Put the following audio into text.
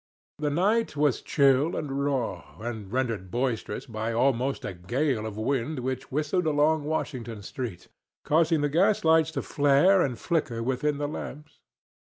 The night was chill and raw, and rendered boisterous by almost a gale of wind which whistled along Washington street, causing the gaslights to flare and flicker within the lamps.